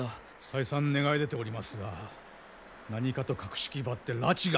再三願い出ておりますが何かと格式ばってらちが明きませぬ。